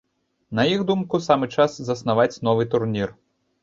На іх думку, самы час заснаваць новы турнір.